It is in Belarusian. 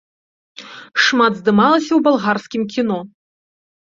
Шмат здымалася ў балгарскім кіно.